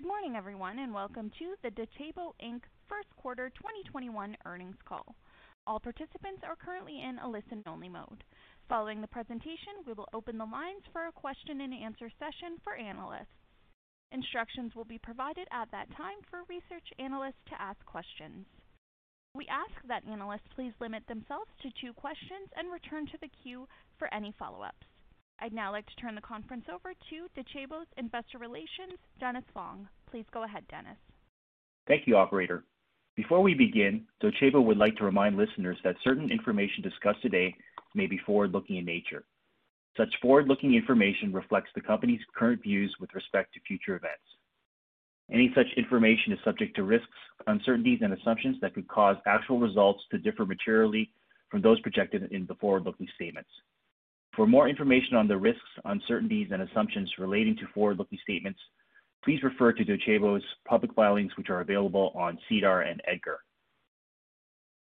Good morning everyone, and welcome to the Docebo Inc. First Quarter 2021 Earnings Call. All participants are currently in a listen-only mode. Following the presentation, we will open the lines for a question and answer session for analysts. Instructions will be provided at that time for research analysts to ask questions. We ask that analysts please limit themselves to two questions and return to the queue for any follow-ups. I'd now like to turn the conference over to Docebo's Investor Relations, Dennis Fong. Please go ahead, Dennis. Thank you, operator. Before we begin, Docebo would like to remind listeners that certain information discussed today may be forward-looking in nature. Such forward-looking information reflects the company's current views with respect to future events. Any such information is subject to risks, uncertainties, and assumptions that could cause actual results to differ materially from those projected in the forward-looking statements. For more information on the risks, uncertainties, and assumptions relating to forward-looking statements, please refer to Docebo's public filings, which are available on SEDAR and EDGAR.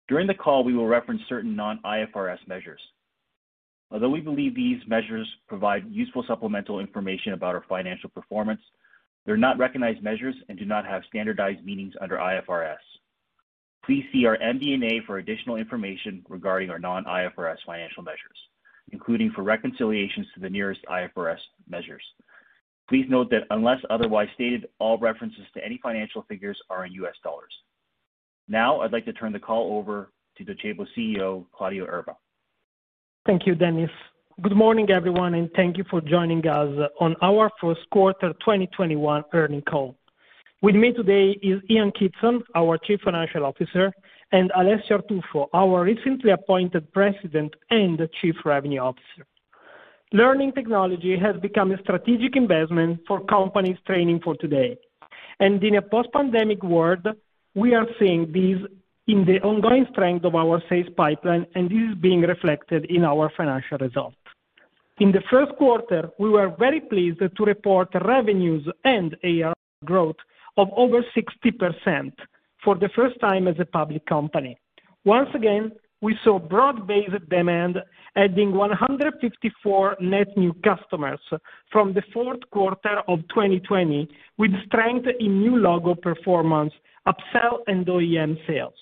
During the call, we will reference certain non-IFRS measures. Although we believe these measures provide useful supplemental information about our financial performance, they're not recognized measures and do not have standardized meanings under IFRS. Please see our MD&A for additional information regarding our non-IFRS financial measures, including for reconciliations to the nearest IFRS measures. Please note that unless otherwise stated, all references to any financial figures are in US dollars. I'd like to turn the call over to Docebo CEO, Claudio Erba. Thank you, Dennis Fong. Good morning, everyone, and thank you for joining us on our first quarter 2021 earnings call. With me today is Ian Kidson, our Chief Financial Officer, and Alessio Artuffo, our recently appointed President and Chief Revenue Officer. Learning technology has become a strategic investment for companies training for today. In a post-pandemic world, we are seeing this in the ongoing strength of our sales pipeline, and this is being reflected in our financial results. In the first quarter, we were very pleased to report revenues and ARR growth of over 60% for the first time as a public company. Once again, we saw broad-based demand adding 154 net new customers from the fourth quarter of 2020, with strength in new logo performance, upsell, and OEM sales.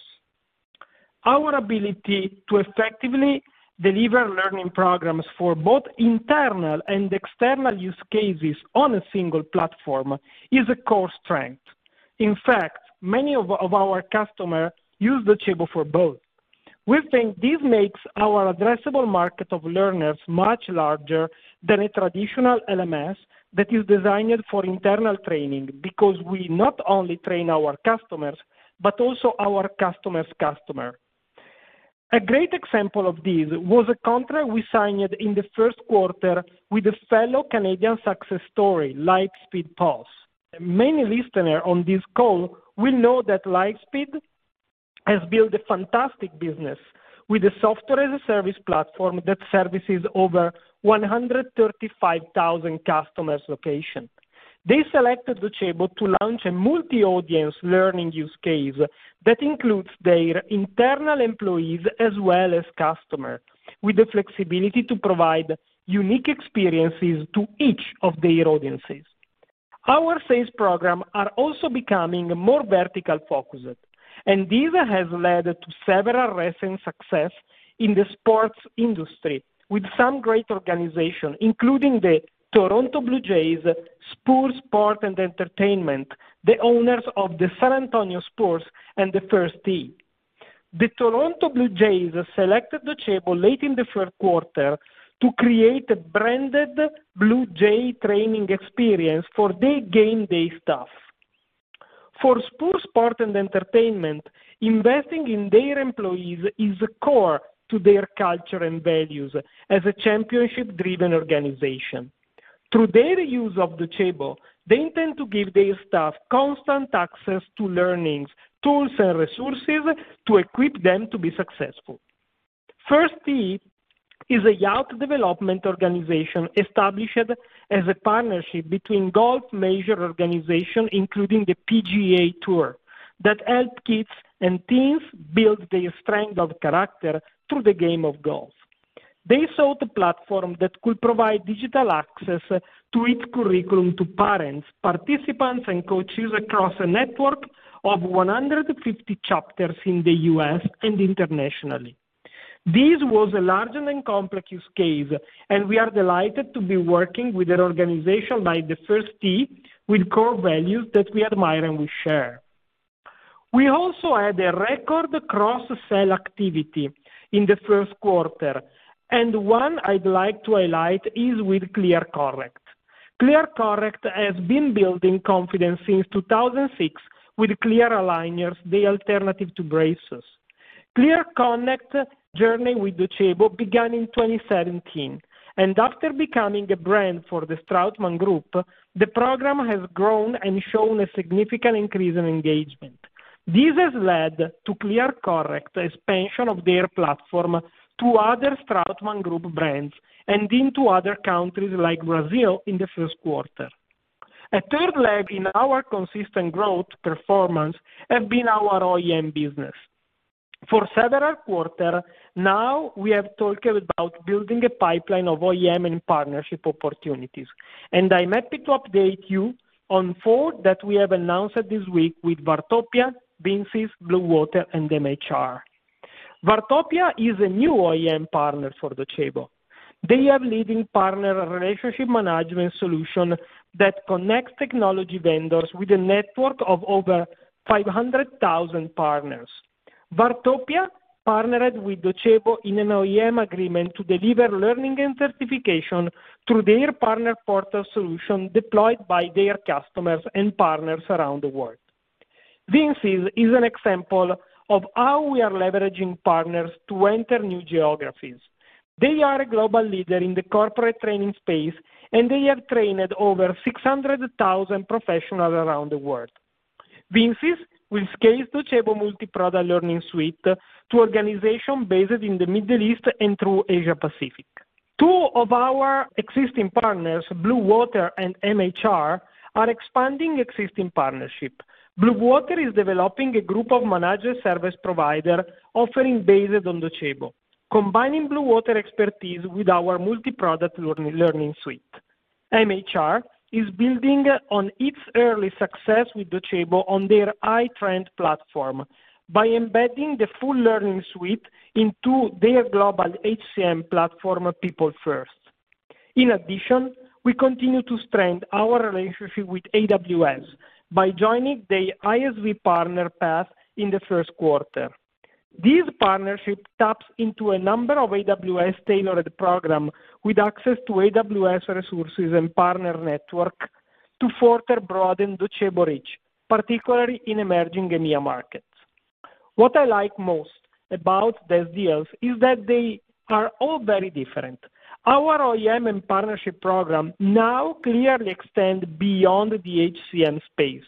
Our ability to effectively deliver learning programs for both internal and external use cases on a single platform is a core strength. In fact, many of our customers use Docebo for both. We think this makes our addressable market of learners much larger than a traditional LMS that is designed for internal training, because we not only train our customers, but also our customer's customer. A great example of this was a contract we signed in the first quarter with a fellow Canadian success story, Lightspeed POS. Many listeners on this call will know that Lightspeed has built a fantastic business with a software-as-a-service platform that services over 135,000 customers location. They selected Docebo to launch a multi-audience learning use case that includes their internal employees as well as customers, with the flexibility to provide unique experiences to each of their audiences. Our sales program are also becoming more vertical-focused, and this has led to several recent success in the sports industry with some great organizations, including the Toronto Blue Jays, Spurs Sports & Entertainment, the owners of the San Antonio Spurs, and the First Tee. The Toronto Blue Jays selected Docebo late in the first quarter to create a branded Blue Jays training experience for their game day staff. For Spurs Sports & Entertainment, investing in their employees is core to their culture and values as a championship-driven organization. Through their use of Docebo, they intend to give their staff constant access to learnings, tools, and resources to equip them to be successful. First Tee is a youth development organization established as a partnership between golf major organization, including the PGA TOUR, that help kids and teens build their strength of character through the game of golf. They sought a platform that could provide digital access to its curriculum to parents, participants, and coaches across a network of 150 chapters in the U.S. and internationally. This was a large and complex use case, and we are delighted to be working with an organization like the First Tee with core values that we admire and we share. We also had a record cross-sell activity in the first quarter, and one I'd like to highlight is with ClearCorrect. ClearCorrect has been building confidence since 2006 with clear aligners, the alternative to braces. ClearCorrect journey with Docebo began in 2017, and after becoming a brand for the Straumann Group, the program has grown and shown a significant increase in engagement. This has led to ClearCorrect expansion of their platform to other Straumann Group brands and into other countries like Brazil in the first quarter. A third leg in our consistent growth performance have been our OEM business. For several quarter now, we have talked about building a pipeline of OEM and partnership opportunities. I'm happy to update you on four that we have announced this week with Vartopia, Vinsys, Bluewater, and MHR. Vartopia is a new OEM partner for Docebo. They are leading partner relationship management solution that connects technology vendors with a network of over 500,000 partners. Vartopia partnered with Docebo in an OEM agreement to deliver learning and certification through their partner portal solution deployed by their customers and partners around the world. Vinsys is an example of how we are leveraging partners to enter new geographies. They are a global leader in the corporate training space, and they have trained over 600,000 professionals around the world. Vinsys will scale Docebo multiproduct learning suite to organization based in the Middle East and through Asia Pacific. Two of our existing partners, Bluewater and MHR, are expanding existing partnership. Bluewater is developing a group of managed service provider offering based on Docebo, combining Bluewater expertise with our multiproduct learning suite. MHR is building on its early success with Docebo on their iTrent platform by embedding the full learning suite into their global HCM platform of People First. In addition, we continue to strengthen our relationship with AWS by joining the ISV Partner Path in the first quarter. This partnership taps into a number of AWS-tailored program with access to AWS resources and partner network to further broaden Docebo reach, particularly in emerging EMEA markets. What I like most about these deals is that they are all very different. Our OEM and partnership program now clearly extend beyond the HCM space,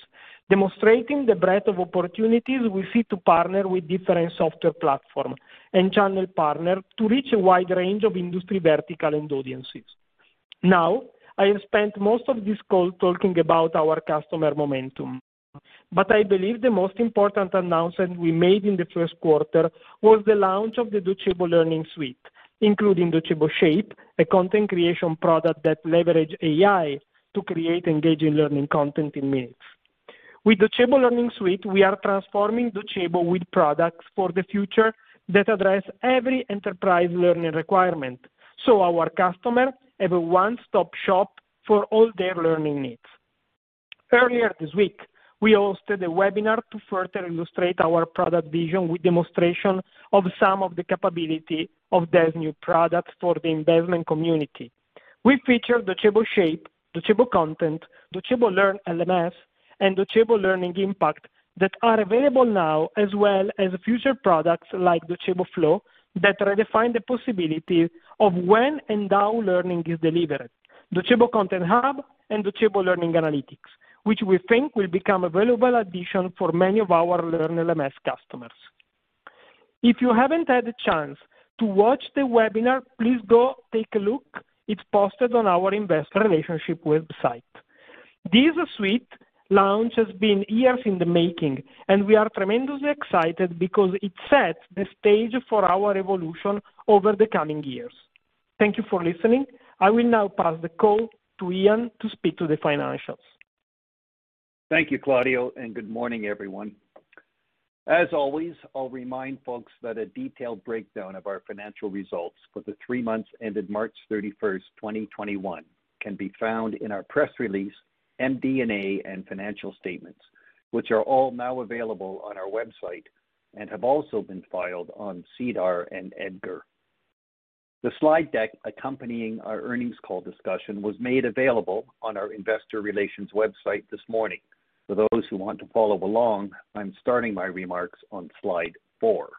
demonstrating the breadth of opportunities we see to partner with different software platform and channel partner to reach a wide range of industry vertical and audiences. Now, I have spent most of this call talking about our customer momentum, but I believe the most important announcement we made in the first quarter was the launch of the Docebo Learning Suite, including Docebo Shape, a content creation product that leverage AI to create engaging learning content in minutes. With Docebo Learning Suite, we are transforming Docebo with products for the future that address every enterprise learning requirement, so our customer have a one-stop shop for all their learning needs. Earlier this week, we hosted a webinar to further illustrate our product vision with demonstration of some of the capability of these new products for the investment community. We featured Docebo Shape, Docebo Content, Docebo Learn LMS, and Docebo Learning Impact that are available now, as well as future products like Docebo Flow that redefine the possibility of when and how learning is delivered. Docebo Content Hub and Docebo Learning Analytics, which we think will become a valuable addition for many of our Learn LMS customers. If you haven't had a chance to watch the webinar, please go take a look. It's posted on our investor relations website. This suite launch has been years in the making, and we are tremendously excited because it sets the stage for our evolution over the coming years. Thank you for listening. I will now pass the call to Ian to speak to the financials. Thank you, Claudio, and good morning, everyone. As always, I'll remind folks that a detailed breakdown of our financial results for the three months ended March 31st, 2021, can be found in our press release, MD&A, and financial statements, which are all now available on our website and have also been filed on SEDAR and EDGAR. The slide deck accompanying our earnings call discussion was made available on our investor relations website this morning. For those who want to follow along, I'm starting my remarks on slide four.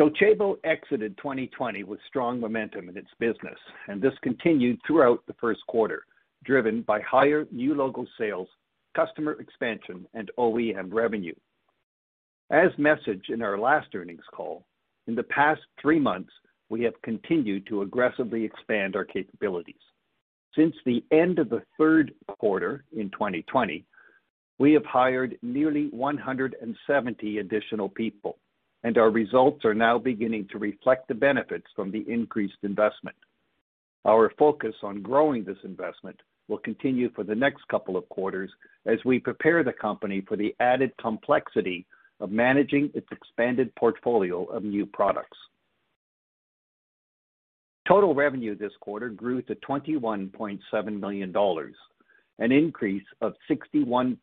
Docebo exited 2020 with strong momentum in its business, and this continued throughout the first quarter, driven by higher new logo sales, customer expansion, and OEM revenue. As messaged in our last earnings call, in the past three months, we have continued to aggressively expand our capabilities. Since the end of the third quarter in 2020, we have hired nearly 170 additional people, and our results are now beginning to reflect the benefits from the increased investment. Our focus on growing this investment will continue for the next couple of quarters as we prepare the company for the added complexity of managing its expanded portfolio of new products. Total revenue this quarter grew to $21.7 million, an increase of 61%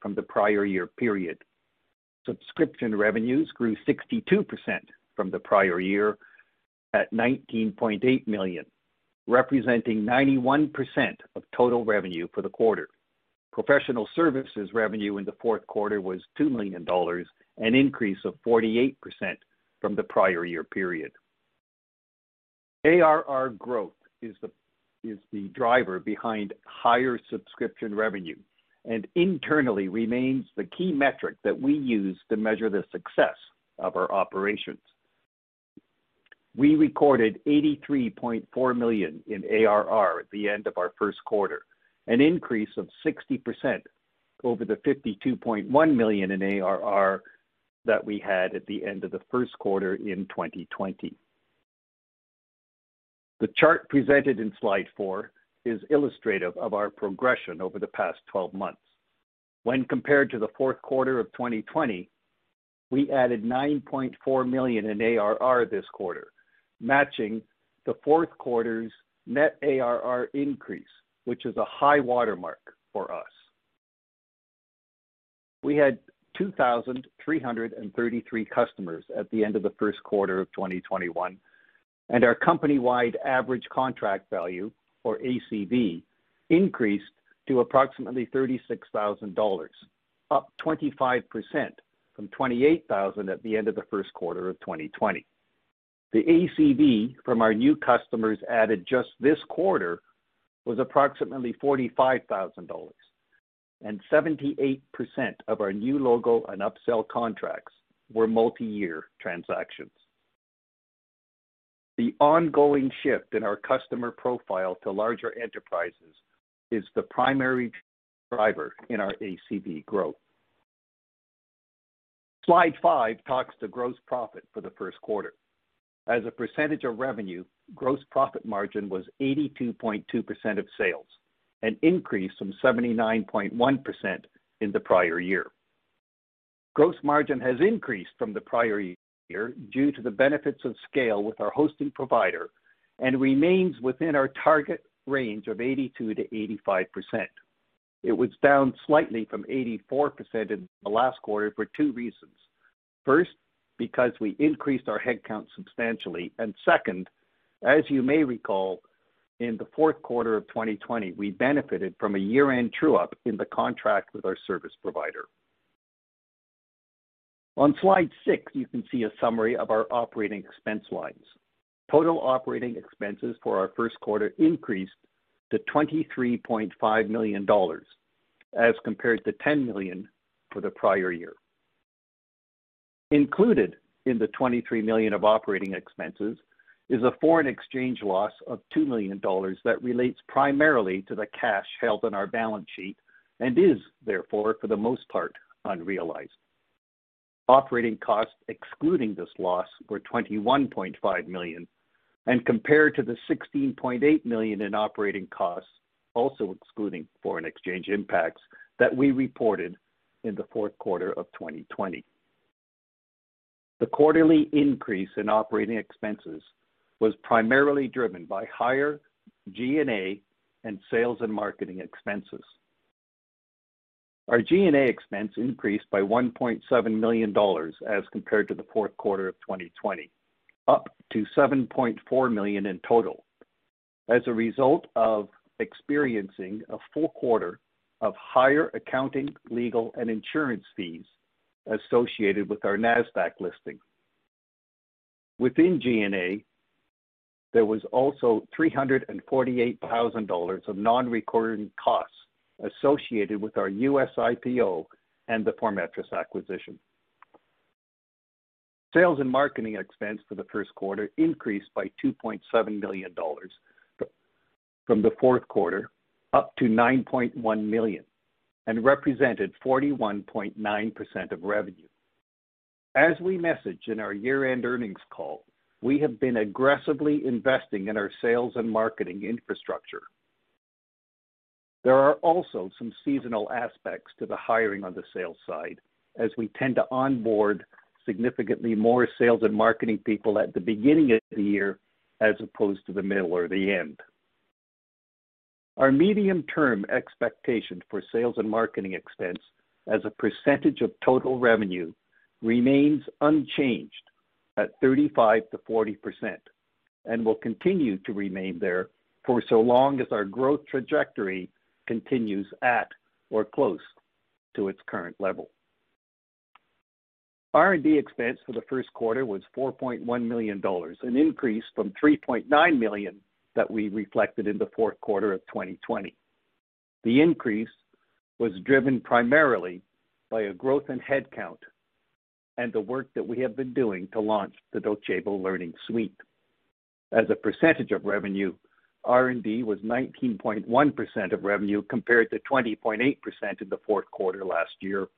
from the prior year period. Subscription revenues grew 62% from the prior year at $19.8 million, representing 91% of total revenue for the quarter. Professional services revenue in the fourth quarter was $2 million, an increase of 48% from the prior year period. ARR growth is the driver behind higher subscription revenue and internally remains the key metric that we use to measure the success of our operations. We recorded $83.4 million in ARR at the end of our first quarter, an increase of 60% over the $52.1 million in ARR that we had at the end of the first quarter in 2020. The chart presented in slide four is illustrative of our progression over the past 12 months. When compared to the fourth quarter of 2020, we added $9.4 million in ARR this quarter, matching the fourth quarter's net ARR increase, which is a high watermark for us. We had 2,333 customers at the end of the first quarter of 2021, and our company-wide Average Contract Value, or ACV, increased to approximately $36,000, up 25% from $28,000 at the end of the first quarter of 2020. The ACV from our new customers added just this quarter was approximately $45,000, and 78% of our new logo and upsell contracts were multiyear transactions. The ongoing shift in our customer profile to larger enterprises is the primary driver in our ACV growth. Slide five talks to gross profit for the first quarter. As a percentage of revenue, gross profit margin was 82.2% of sales, an increase from 79.1% in the prior year. Gross margin has increased from the prior year due to the benefits of scale with our hosting provider and remains within our target range of 82%-85%. It was down slightly from 84% in the last quarter for two reasons. First, because we increased our headcount substantially, and second, as you may recall, in the fourth quarter of 2020, we benefited from a year-end true-up in the contract with our service provider. On slide six, you can see a summary of our operating expense lines. Total operating expenses for our first quarter increased to $23.5 million as compared to $10 million for the prior year. Included in the $23 million of operating expenses is a foreign exchange loss of $2 million that relates primarily to the cash held on our balance sheet and is, therefore, for the most part, unrealized. Operating costs excluding this loss were $21.5 million compared to the $16.8 million in operating costs, also excluding foreign exchange impacts that we reported in the fourth quarter of 2020. The quarterly increase in operating expenses was primarily driven by higher G&A and sales and marketing expenses. Our G&A expense increased by $1.7 million as compared to the fourth quarter of 2020, up to $7.4 million in total as a result of experiencing a full quarter of higher accounting, legal, and insurance fees associated with our NASDAQ listing. Within G&A, there was also $348,000 of non-recurring costs associated with our U.S. IPO and the forMetris acquisition. Sales and marketing expense for the first quarter increased by $2.7 million from the fourth quarter up to $9.1 million and represented 41.9% of revenue. As we messaged in our year-end earnings call, we have been aggressively investing in our sales and marketing infrastructure. There are also some seasonal aspects to the hiring on the sales side, as we tend to onboard significantly more sales and marketing people at the beginning of the year as opposed to the middle or the end. Our medium-term expectation for sales and marketing expense as a percentage of total revenue remains unchanged at 35%-40% and will continue to remain there for so long as our growth trajectory continues at or close to its current level. R&D expense for the first quarter was $4.1 million, an increase from $3.9 million that we reflected in the fourth quarter of 2020. The increase was driven primarily by a growth in headcount and the work that we have been doing to launch the Docebo Learning Suite. As a percentage of revenue, R&D was 19.1% of revenue compared to 20.8% in the fourth quarter last year,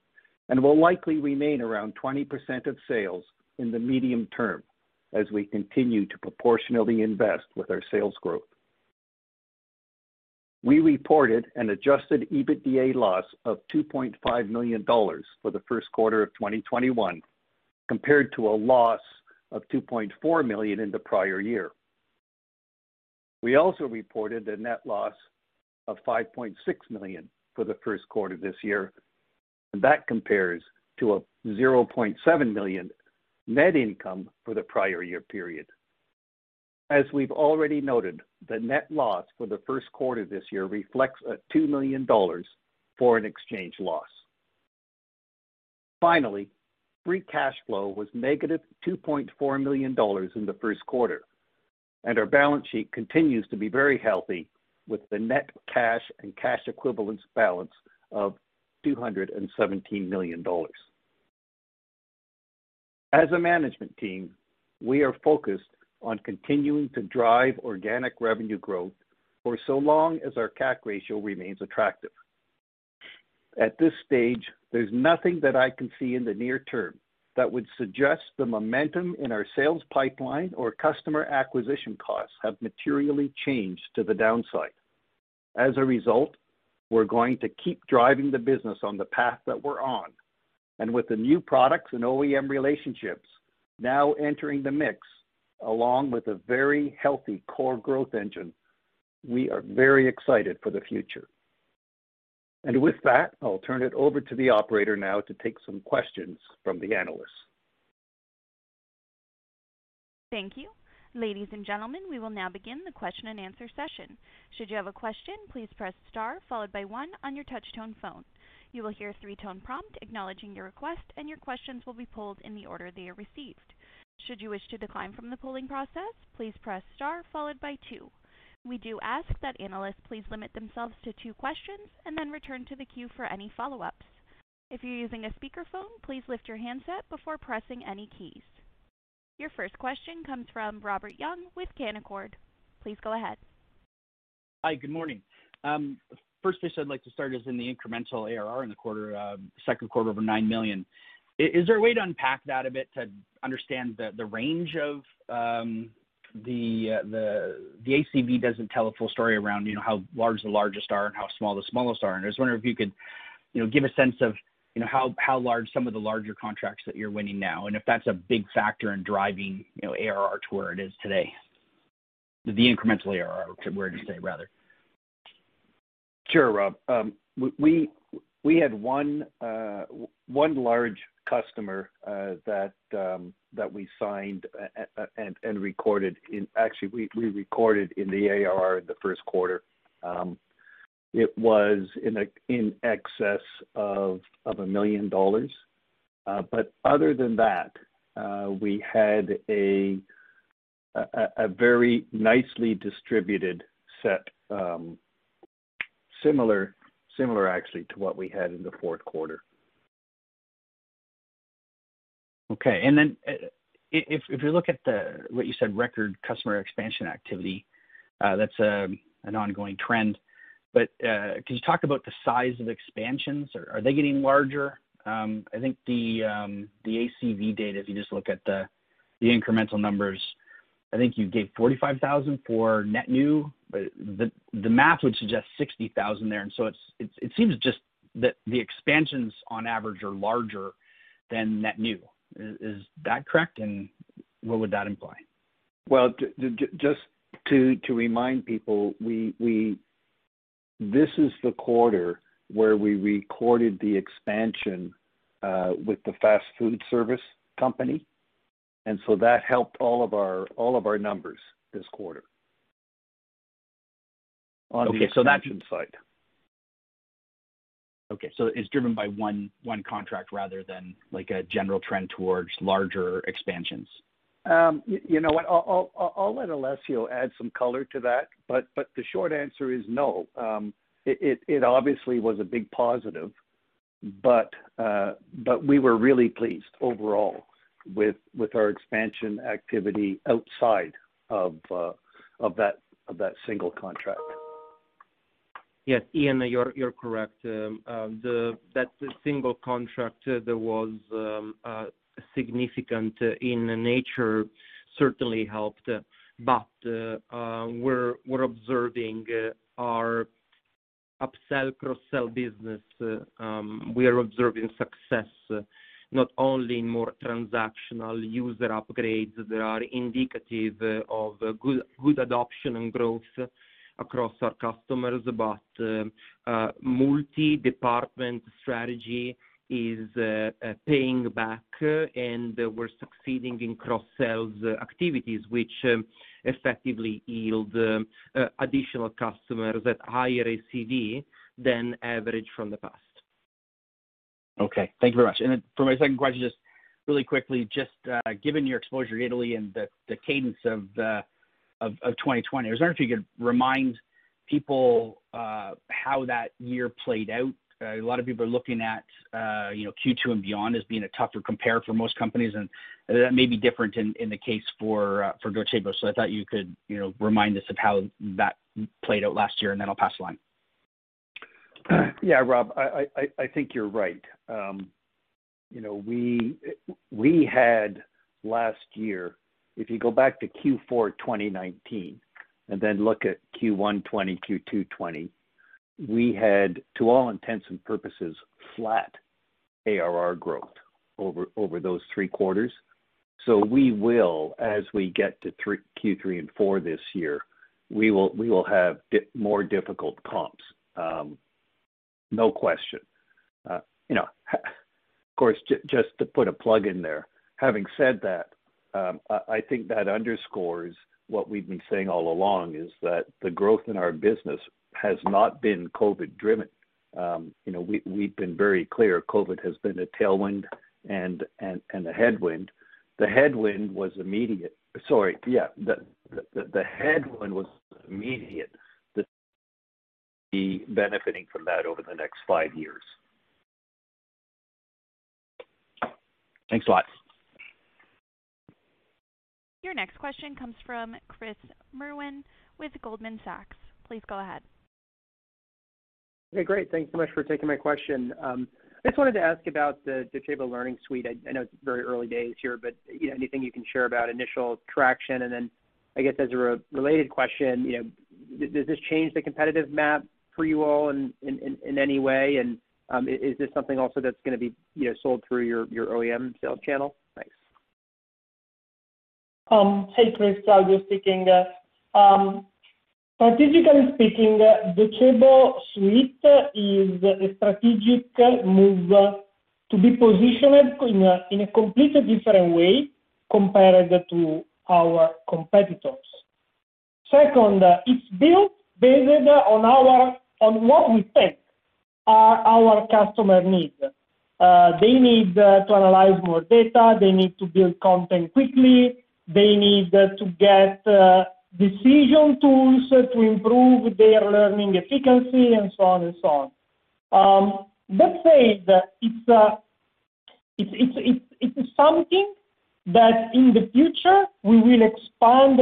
and will likely remain around 20% of sales in the medium term as we continue to proportionally invest with our sales growth. We reported an adjusted EBITDA loss of $2.5 million for the first quarter of 2021 compared to a loss of $2.4 million in the prior year. We also reported a net loss of $5.6 million for the first quarter of this year. That compares to a $0.7 million net income for the prior year period. As we've already noted, the net loss for the first quarter of this year reflects a $2 million foreign exchange loss. Finally, free cash flow was -$2.4 million in the first quarter. Our balance sheet continues to be very healthy with the net cash and cash equivalents balance of $217 million. As a management team, we are focused on continuing to drive organic revenue growth for so long as our CAC ratio remains attractive. At this stage, there's nothing that I can see in the near term that would suggest the momentum in our sales pipeline or customer acquisition costs have materially changed to the downside. As a result, we're going to keep driving the business on the path that we're on. With the new products and OEM relationships now entering the mix, along with a very healthy core growth engine, we are very excited for the future. With that, I'll turn it over to the operator now to take some questions from the analysts. Thank you. Ladies and gentlemen, we will now begin the question and answer session. Should you have a question, please press star followed by one on your touch-tone phone. You will hear a three-tone prompt acknowledging your request, and your questions will be pulled in the order they are received. Should you wish to decline from the polling process, please press star followed by two. We do ask that analysts please limit themselves to two questions and then return to the queue for any follow-ups. If you're using a speakerphone, please lift your handset before pressing any keys. Your first question comes from Robert Young with Canaccord. Please go ahead. Hi, good morning. First place I'd like to start is in the incremental ARR in the second quarter over $9 million. Is there a way to unpack that a bit to understand the ACV doesn't tell a full story around how large the largest are and how small the smallest are. I was wondering if you could give a sense of how large some of the larger contracts that you're winning now, and if that's a big factor in driving ARR to where it is today. The incremental ARR to where it is today, rather. Sure, Rob. We had one large customer that we signed and recorded. Actually, we recorded in the ARR in the first quarter. It was in excess of $1 million. Other than that, we had a very nicely distributed set, similar actually to what we had in the fourth quarter. Okay. If you look at the, what you said, record customer expansion activity, that's an ongoing trend. Could you talk about the size of expansions? Are they getting larger? I think the ACV data, if you just look at the incremental numbers, I think you gave $45,000 for net new, but the math would suggest $60,000 there. It seems just that the expansions on average are larger than net new. Is that correct, and what would that imply? Just to remind people, this is the quarter where we recorded the expansion with the fast food service company, and so that helped all of our numbers this quarter. Okay, so that can fight. Okay. It's driven by one contract rather than a general trend towards larger expansions? You know what? I'll let Alessio add some color to that. The short answer is no. It obviously was a big positive. We were really pleased overall with our expansion activity outside of that single contract. Yes, Ian, you're correct. That single contract that was significant in nature certainly helped. We're observing our upsell, cross-sell business. We are observing success, not only in more transactional user upgrades that are indicative of good adoption and growth across our customers. Multi-department strategy is paying back, and we're succeeding in cross-sell activities, which effectively yield additional customers at higher ACV than average from the past. Okay. Thank you very much. For my second question, just really quickly, just given your exposure to Italy and the cadence of 2020, I was wondering if you could remind people how that year played out. A lot of people are looking at Q2 and beyond as being a tougher compare for most companies, and that may be different in the case for Docebo. I thought you could remind us of how that played out last year, and then I'll pass the line. Yeah, Rob, I think you're right. We had last year, if you go back to Q4 2019 and then look at Q1 2020, Q2 2020, we had, to all intents and purposes, flat ARR growth over those three quarters. We will, as we get to Q3 and Q4 this year, we will have more difficult comps. No question. Of course, just to put a plug in there, having said that, I think that underscores what we've been saying all along, is that the growth in our business has not been COVID driven. We've been very clear, COVID has been a tailwind and a headwind. The headwind was immediate. Sorry. Yeah, the headwind was immediate. Benefiting from that over the next five years. Thanks a lot. Your next question comes from Chris Merwin with Goldman Sachs. Please go ahead. Okay, great. Thanks so much for taking my question. I just wanted to ask about the Docebo Learning Suite. I know it's very early days here, but anything you can share about initial traction, and then I guess as a related question, does this change the competitive map for you all in any way, and is this something also that's going to be sold through your OEM sales channel? Thanks. Hey, Chris, Claudio speaking. Strategically speaking, Docebo suite is a strategic move to be positioned in a completely different way compared to our competitors. It's built based on what we think our customer needs. They need to analyze more data. They need to build content quickly. They need to get decision tools to improve their learning efficiency and so on. Let's say that it's something that in the future, we will expand.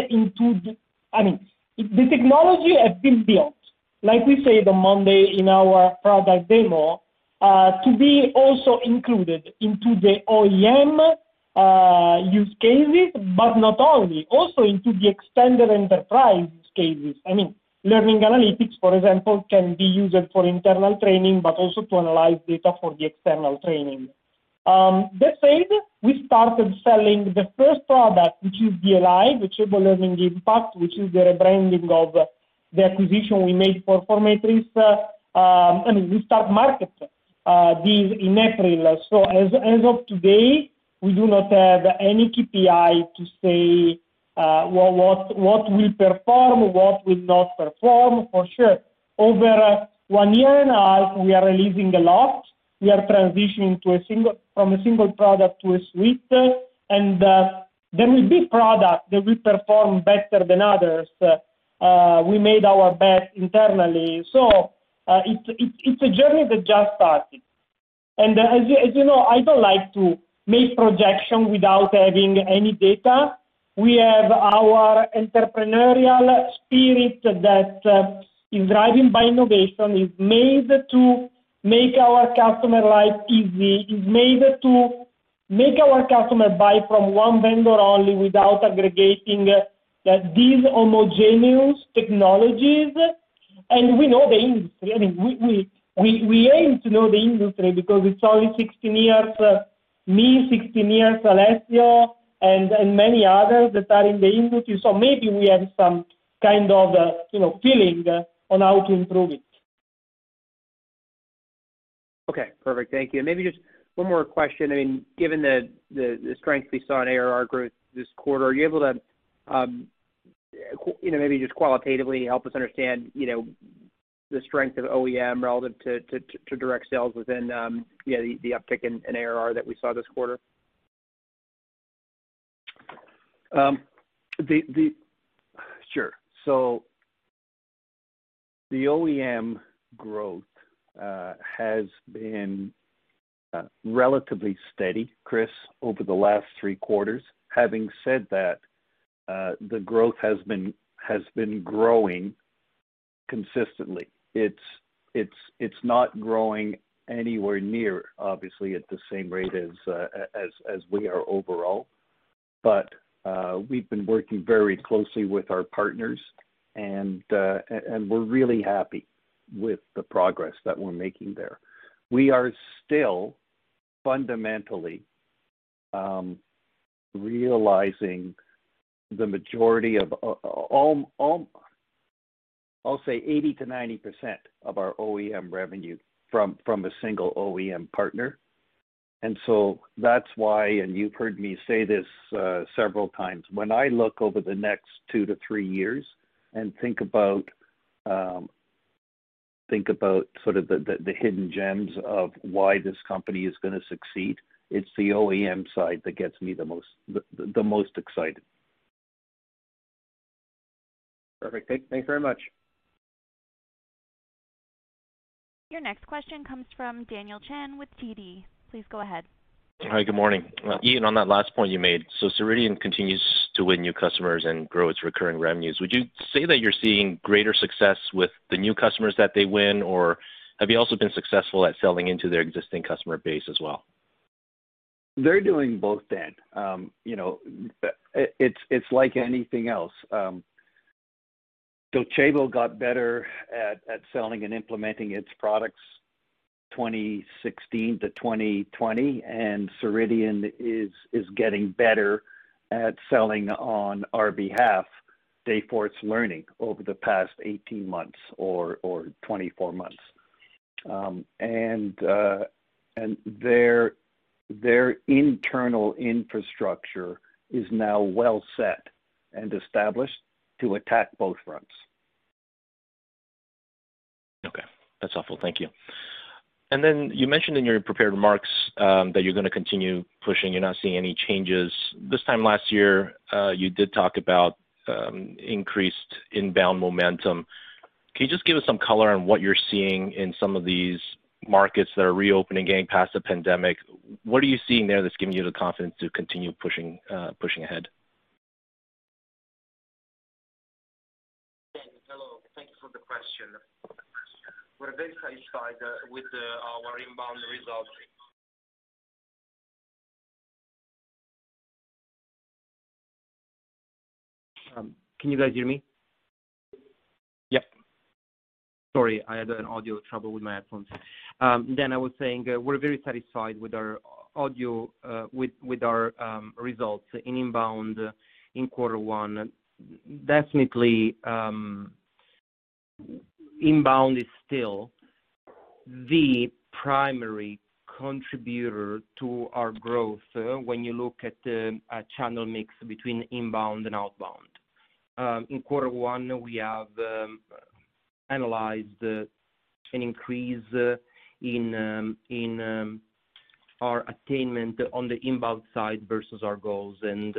The technology has been built, like we said on monday in our product demo, to be also included into the OEM use cases, but not only, also into the extended enterprise use cases. Learning Analytics, for example, can be used for internal training, but also to analyze data for the external training. That said, we started selling the first product, which is DLI, Docebo Learning Impact, which is the rebranding of the acquisition we made for forMetris, and we start marketing these in April. As of today, we do not have any KPI to say what will perform, what will not perform, for sure. Over one year and a half, we are releasing a lot. We are transitioning from a single product to a suite. There will be products that will perform better than others. We made our bet internally. It's a journey that just started. As you know, I don't like to make projections without having any data. We have our entrepreneurial spirit that is driven by innovation, is made to make our customer life easy, is made to make our customer buy from one vendor only without aggregating these homogeneous technologies. We know the industry. We aim to know the industry because it's only 16 years, me, 16 years, Alessio, and many others that are in the industry. Maybe we have some kind of feeling on how to improve it. Okay, perfect. Thank you. Maybe just one more question. Given the strength we saw in ARR growth this quarter, are you able to maybe just qualitatively help us understand the strength of OEM relative to direct sales within the uptick in ARR that we saw this quarter? Sure. The OEM growth has been relatively steady, Chris, over the last three quarters. Having said that, the growth has been growing consistently. It's not growing anywhere near, obviously, at the same rate as we are overall. We've been working very closely with our partners, and we're really happy with the progress that we're making there. We are still fundamentally realizing the majority of, I'll say, 80%-90% of our OEM revenue from a single OEM partner. That's why, and you've heard me say this several times, when I look over the next two to three years and think about sort of the hidden gems of why this company is going to succeed, it's the OEM side that gets me the most excited. Perfect. Thanks very much. Your next question comes from Daniel Chan with TD. Please go ahead. Hi, good morning. Ian, on that last point you made, Ceridian continues to win new customers and grow its recurring revenues. Would you say that you're seeing greater success with the new customers that they win, or have you also been successful at selling into their existing customer base as well? They're doing both, Dan. It's like anything else. Docebo got better at selling and implementing its products 2016 to 2020, and Ceridian is getting better at selling on our behalf Dayforce Learning over the past 18 months or 24 months. Their internal infrastructure is now well set and established to attack both fronts. Okay. That's helpful. Thank you. You mentioned in your prepared remarks that you're going to continue pushing. You're not seeing any changes. This time last year, you did talk about increased inbound momentum. Can you just give us some color on what you're seeing in some of these markets that are reopening, getting past the pandemic? What are you seeing there that's giving you the confidence to continue pushing ahead? Dan, hello. Thank you for the question. We're very satisfied with our inbound results. Can you guys hear me? Yes. Sorry, I had an audio trouble with my headphones. Dan, I was saying we're very satisfied with our results in inbound in quarter one. Inbound is still the primary contributor to our growth when you look at a channel mix between inbound and outbound. In quarter one, we have analyzed an increase in our attainment on the inbound side versus our goals, and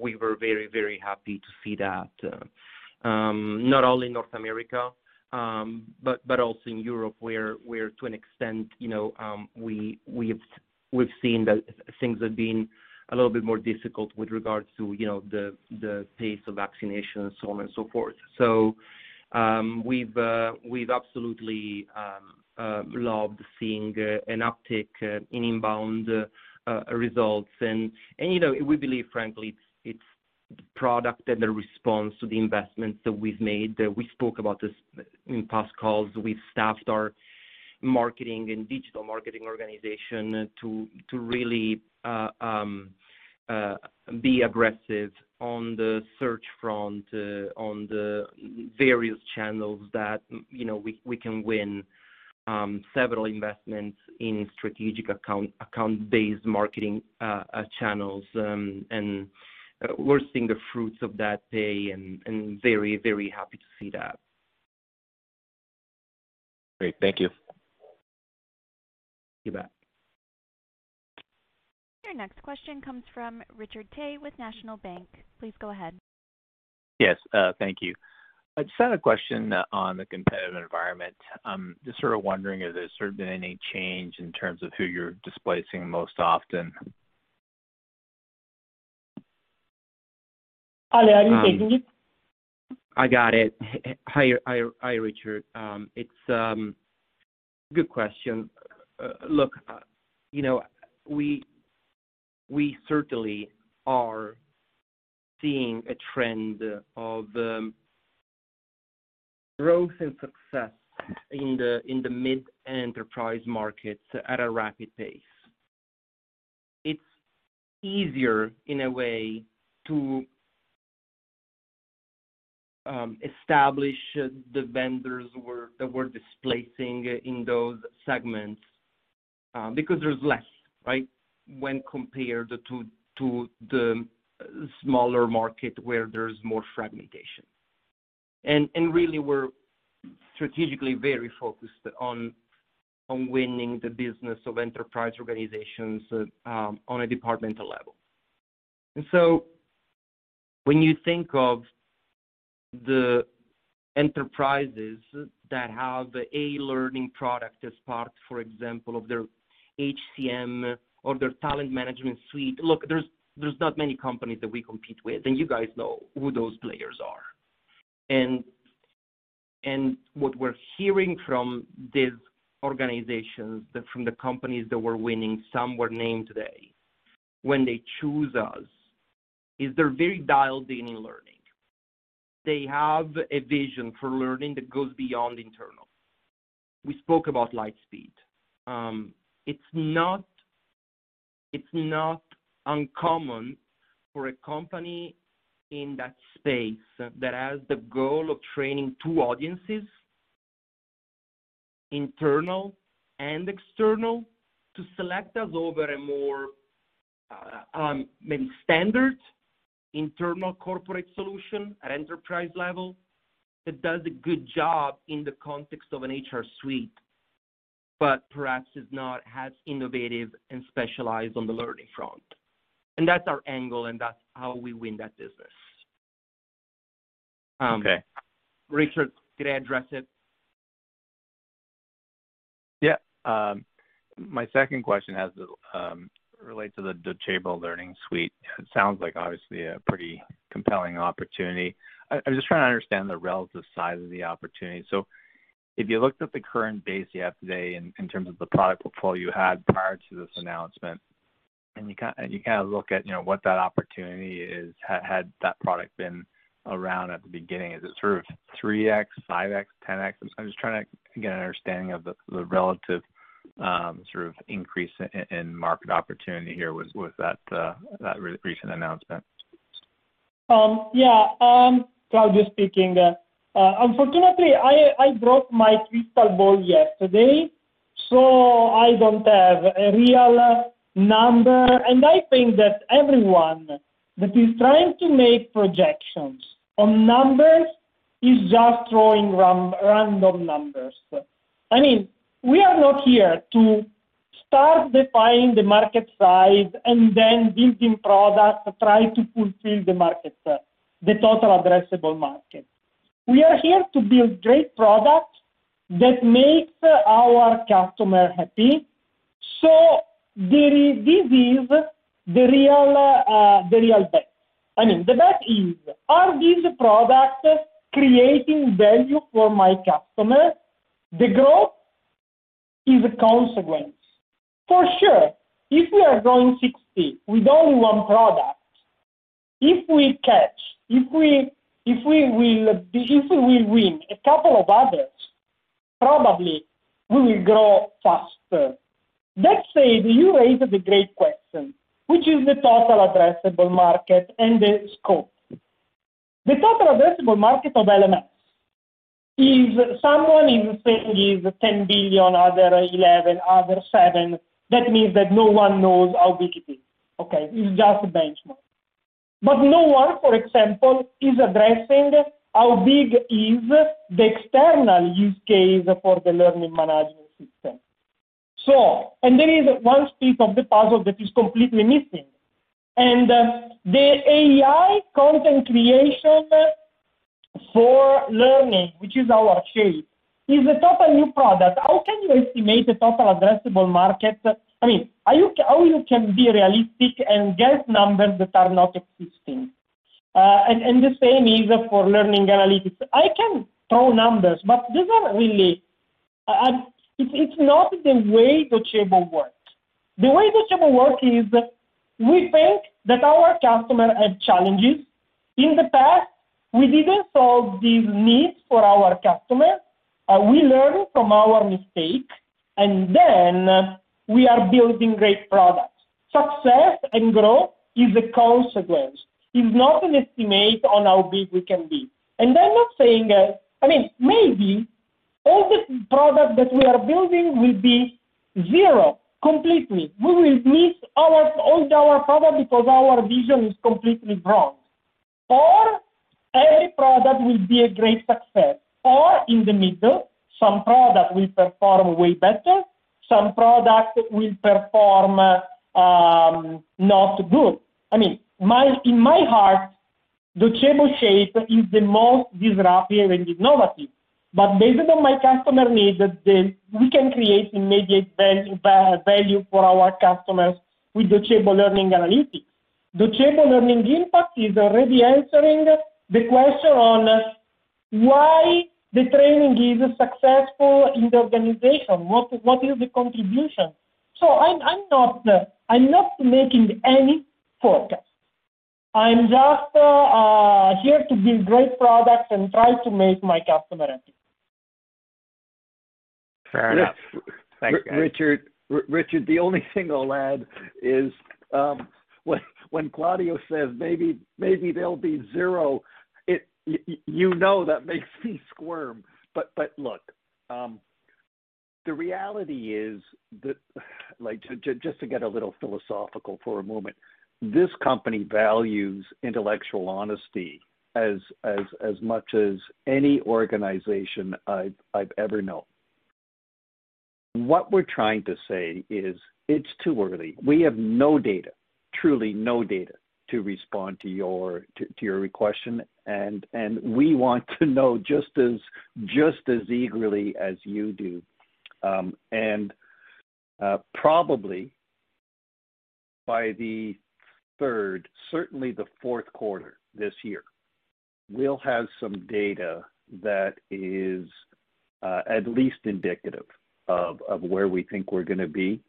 we were very happy to see that. Not only in North America but also in Europe, where to an extent, we've seen that things have been a little bit more difficult with regards to the pace of vaccination and so on and so forth. We've absolutely loved seeing an uptick in inbound results. We believe, frankly, it's the product and the response to the investments that we've made. We spoke about this in past calls. We've staffed our marketing and digital marketing organization to really be aggressive on the search front on the various channels that we can win several investments in strategic account-based marketing channels. We're seeing the fruits of that pay and very happy to see that. Great. Thank you. You bet. Your next question comes from Richard Tse with National Bank. Please go ahead. Yes. Thank you. I just had a question on the competitive environment. Just sort of wondering if there's sort of been any change in terms of who you're displacing most often. Ale, are you taking it? I got it. Hi, Richard. It's a good question. Look, we certainly are seeing a trend of growth and success in the mid-enterprise markets at a rapid pace. It's easier, in a way, to establish the vendors that we're displacing in those segments because there's less, right, when compared to the smaller market where there's more fragmentation. Really we're strategically very focused on winning the business of enterprise organizations on a departmental level. When you think of the enterprises that have a learning product as part, for example, of their HCM or their talent management suite. Look, there's not many companies that we compete with, and you guys know who those players are. What we're hearing from these organizations, from the companies that we're winning, some were named today, when they choose us, is they're very dialed in in learning. They have a vision for learning that goes beyond internal. We spoke about Lightspeed. It's not uncommon for a company in that space that has the goal of training two audiences, internal and external, to select us over a more, maybe standard internal corporate solution at enterprise level that does a good job in the context of an HR suite, but perhaps is not as innovative and specialized on the learning front. That's our angle, and that's how we win that business. Okay. Richard, did I address it? My second question relates to the Docebo Learning Suite. It sounds like obviously a pretty compelling opportunity. I am just trying to understand the relative size of the opportunity. If you looked at the current base you have today in terms of the product portfolio you had prior to this announcement, and you kind of look at what that opportunity is, had that product been around at the beginning, is it sort of 3x, 5x, 10x? I am just trying to get an understanding of the relative sort of increase in market opportunity here with that recent announcement. Yeah. Claudio speaking. Unfortunately, I broke my crystal ball yesterday, so I don't have a real number. I think that everyone that is trying to make projections on numbers is just throwing random numbers. We are not here to start defining the market size and then building products to try to fulfill the total addressable market. We are here to build great products that make our customer happy. This is the real bet. The bet is, are these products creating value for my customer? The growth is a consequence. For sure, if we are growing 60 with only one product, if we catch, if we will win a couple of others, probably we will grow faster. Let's say you raised a great question, which is the total addressable market and the scope. The total addressable market of LMS, someone is saying is $10 billion, other $11 billion, other $7 billion. That means that no one knows how big it is, okay? It's just a benchmark. No one, for example, is addressing how big is the external use case for the learning management system. There is one piece of the puzzle that is completely missing. The AI content creation for learning, which is our Docebo Shape, is a total new product. How can you estimate the total addressable market? How you can be realistic and get numbers that are not existing? The same is for Docebo Learning Analytics. I can throw numbers, but it's not the way Docebo works. The way Docebo work is we think that our customer has challenges. In the past, we didn't solve these needs for our customer. We learn from our mistake, and then we are building great products. Success and growth is a consequence, is not an estimate on how big we can be. I'm not saying Maybe all the product that we are building will be zero completely. We will miss all our product because our vision is completely wrong. Every product will be a great success. In the middle, some product will perform way better, some product will perform not good. In my heart, Docebo Shape is the most disruptive and innovative. Based on my customer needs, we can create immediate value for our customers with Docebo Learning Analytics. Docebo Learning Impact is already answering the question on why the training is successful in the organization, what is the contribution? I'm not making any forecast. I'm just here to build great products and try to make my customer happy. Fair enough. Thanks, guys. Richard, the only thing I'll add is, when Claudio says maybe there'll be zero, you know that makes me squirm. Look, the reality is, just to get a little philosophical for a moment, this company values intellectual honesty as much as any organization I've ever known. What we're trying to say is it's too early. We have no data, truly no data, to respond to your question, and we want to know just as eagerly as you do. Probably by the third, certainly the fourth quarter this year, we'll have some data that is at least indicative of where we think we're going to be.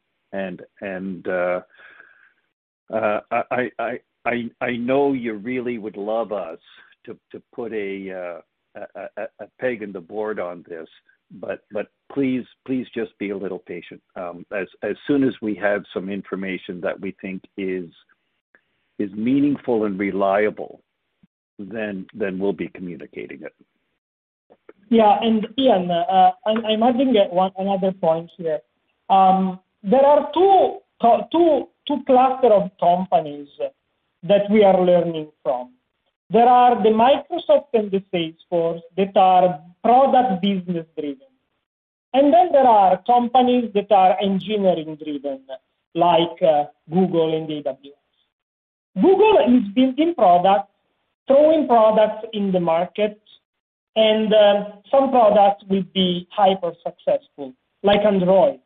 I know you really would love us to put a peg in the board on this, but please just be a little patient. As soon as we have some information that we think is meaningful and reliable, then we'll be communicating it. Yeah. Ian, I imagine one another point here. There are two cluster of companies that we are learning from. There are the Microsoft and the Salesforce that are product business driven, and then there are companies that are engineering driven, like Google and AWS. Google is building products, throwing products in the market, and some products will be hyper successful, like Android.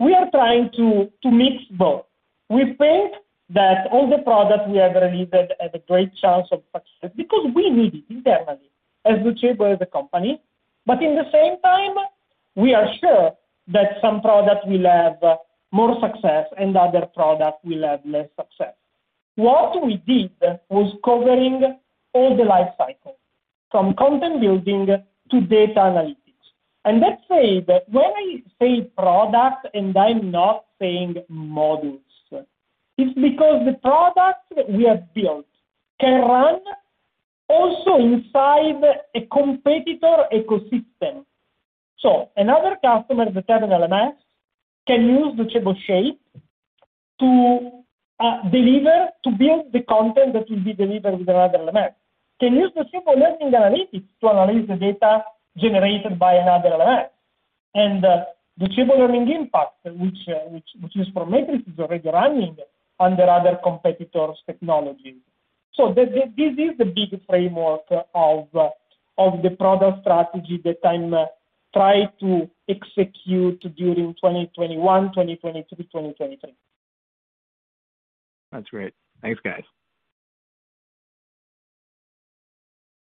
We are trying to mix both. We think that all the products we have released have a great chance of success because we need it internally as Docebo, as a company. In the same time, we are sure that some products will have more success and other products will have less success. What we did was covering all the life cycle, from content building to data analytics. Let's say that when I say product, and I'm not saying modules, it's because the product we have built can run also inside a competitor ecosystem. Another customer that have an LMS can use Docebo Shape to build the content that will be delivered with another LMS. Can use Docebo Learning Analytics to analyze the data generated by another LMS. Docebo Learning Impact, which is forMetris, already running under other competitors' technologies. This is the big framework of the product strategy that I'm trying to execute during 2021, 2022, 2023. That's great. Thanks, guys.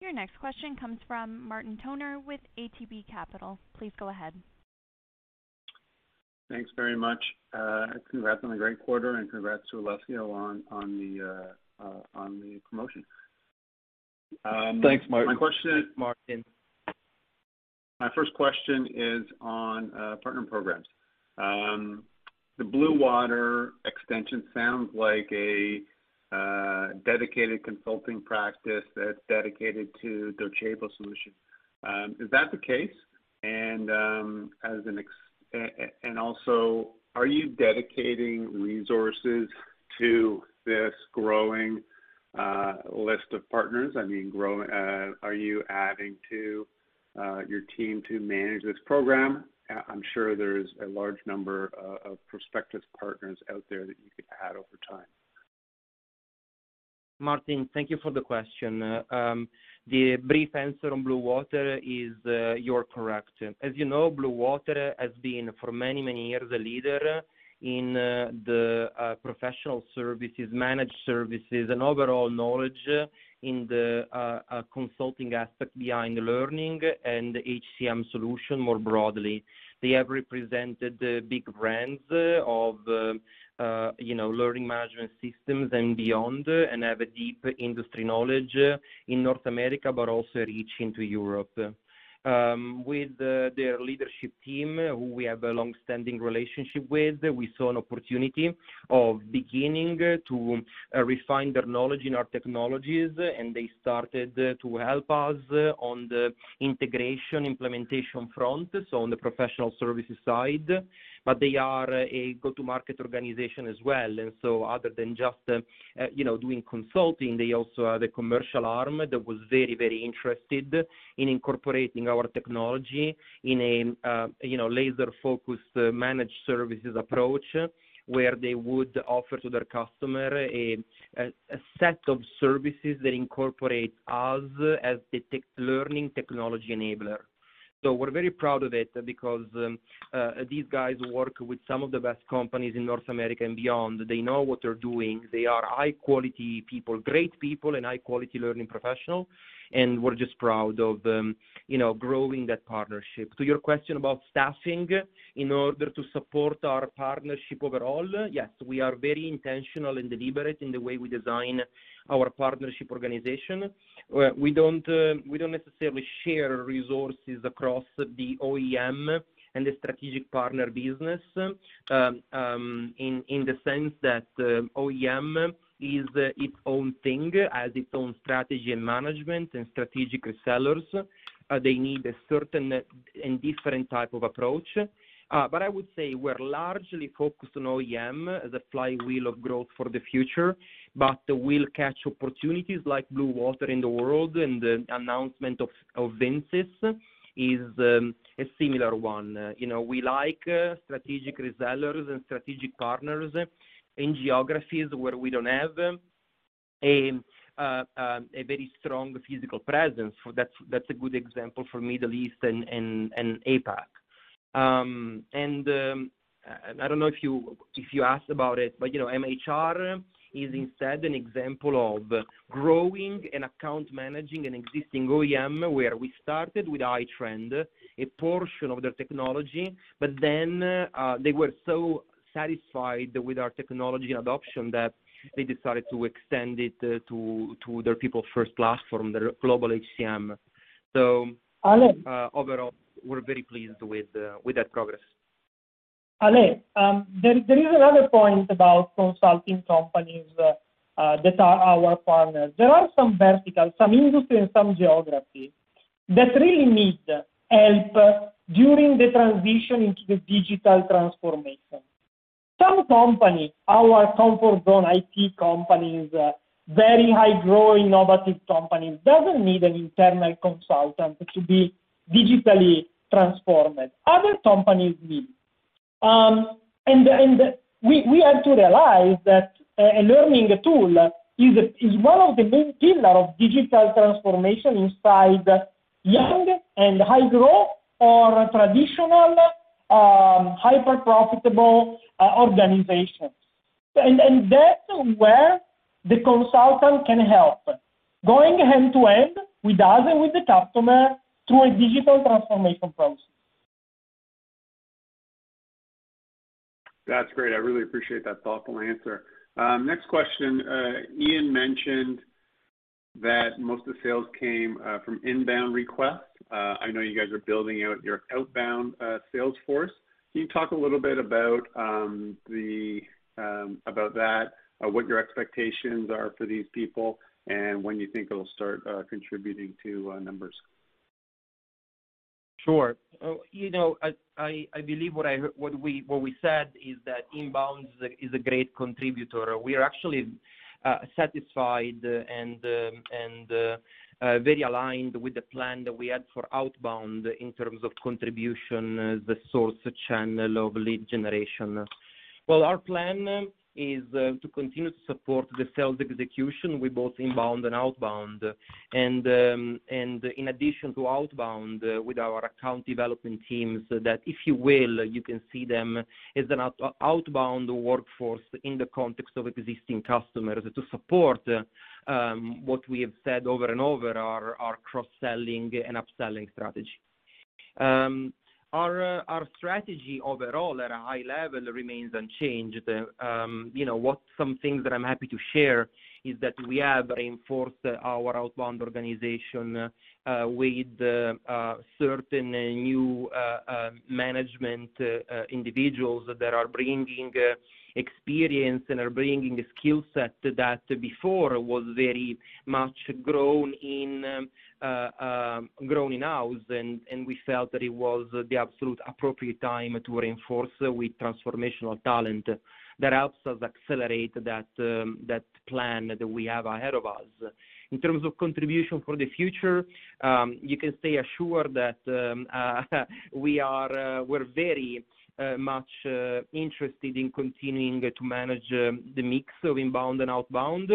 Your next question comes from Martin Toner with ATB Capital. Please go ahead. Thanks very much. Congrats on the great quarter and congrats to Alessio on the promotion. Thanks, Martin. My first question is on partner programs. The Bluewater extension sounds like a dedicated consulting practice that's dedicated to Docebo solution. Is that the case? Also, are you dedicating resources to this growing list of partners? Are you adding to your team to manage this program? I'm sure there's a large number of prospective partners out there that you could add over time. Martin, thank you for the question. The brief answer on Bluewater is, you're correct. As you know, Bluewater has been for many, many years a leader in the professional services, managed services, and overall knowledge in the consulting aspect behind learning and HCM solution more broadly. They have represented big brands of learning management systems and beyond and have a deep industry knowledge in North America, but also reaching to Europe. With their leadership team, who we have a long-standing relationship with, we saw an opportunity of beginning to refine their knowledge in our technologies, and they started to help us on the integration, implementation front, so on the professional services side. They are a go-to-market organization as well, and so other than just doing consulting, they also are the commercial arm that was very interested in incorporating our technology in a laser-focused managed services approach, where they would offer to their customer a set of services that incorporate us as the learning technology enabler. We're very proud of it because these guys work with some of the best companies in North America and beyond. They know what they're doing. They are high-quality people, great people, and high-quality learning professional, and we're just proud of growing that partnership. To your question about staffing in order to support our partnership overall, yes, we are very intentional and deliberate in the way we design our partnership organization, where we don't necessarily share resources across the OEM and the strategic partner business, in the sense that OEM is its own thing, has its own strategy and management and strategic resellers. They need a certain and different type of approach. I would say we're largely focused on OEM as a flywheel of growth for the future, but we'll catch opportunities like Bluewater in the world, and the announcement of Vinsys is a similar one. We like strategic resellers and strategic partners in geographies where we don't have a very strong physical presence. That's a good example for Middle East and APAC. I don't know if you asked about it, MHR is instead an example of growing an account, managing an existing OEM, where we started with iTrent, a portion of their technology. They were so satisfied with our technology and adoption that they decided to extend it to their People First platform, their global HCM. Ale. Overall, we're very pleased with that progress. Ale, there is another point about consulting companies that are our partners. There are some verticals, some industry, and some geography that really need help during the transition into the digital transformation. Some companies, our comfort zone IT companies, very high-growth, innovative companies, doesn't need an internal consultant to be digitally transformed. Other companies need. We have to realize that a learning tool is one of the main pillar of digital transformation inside young and high-growth or traditional hyper-profitable organizations. That's where the consultant can help. Going hand to hand with us and with the customer through a digital transformation process. That's great. I really appreciate that thoughtful answer. Next question. Ian mentioned that most of the sales came from inbound requests. I know you guys are building out your outbound sales force. Can you talk a little bit about that, what your expectations are for these people, and when you think it'll start contributing to numbers? Sure. I believe what we said is that inbound is a great contributor. We are actually satisfied and very aligned with the plan that we had for outbound in terms of contribution, the source, the channel of lead generation. Well, our plan is to continue to support the sales execution with both inbound and outbound. In addition to outbound with our account development teams, that if you will, you can see them as an outbound workforce in the context of existing customers to support what we have said over and over, our cross-selling and upselling strategy. Our strategy overall at a high level remains unchanged. Some things that I'm happy to share is that we have reinforced our outbound organization with certain new management individuals that are bringing experience and are bringing a skill set that before was very much grown in-house. We felt that it was the absolute appropriate time to reinforce with transformational talent that helps us accelerate that plan that we have ahead of us. In terms of contribution for the future, you can stay assured that we're very much interested in continuing to manage the mix of inbound and outbound.